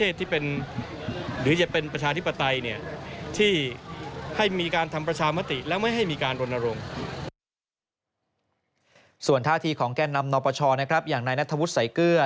ส่วนท่าที่ของแก้นนำนอปชอย่างนนวสายเกลือ